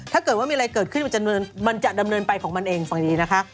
ถ้าเกิดว่ามีอะไรเกิดขึ้นมันจะดำเนินไปของมันเองฟังดีนะคะ